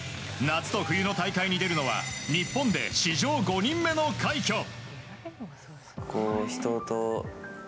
夏と冬の大会に出るのは日本で史上５人目の快挙。